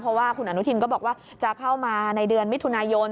เพราะว่าคุณอนุทินก็บอกว่าจะเข้ามาในเดือนมิถุนายน